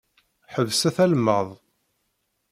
Ḥebset almad!